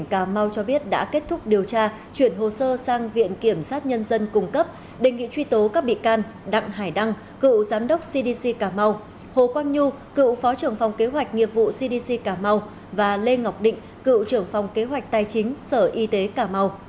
cảm mau cho biết đã kết thúc điều tra chuyển hồ sơ sang viện kiểm sát nhân dân cung cấp đề nghị truy tố các bị can đặng hải đăng cựu giám đốc cdc cảm mau hồ quang nhu cựu phó trưởng phòng kế hoạch nghiệp vụ cdc cảm mau và lê ngọc định cựu trưởng phòng kế hoạch tài chính sở y tế cà mau